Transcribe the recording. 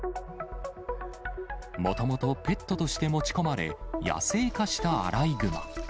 もともとペットとして持ち込まれ、野生化したアライグマ。